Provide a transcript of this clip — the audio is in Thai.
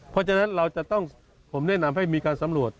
เพราะฉะนั้นเราจะต้องผมแนะนำให้มีการสำรวจ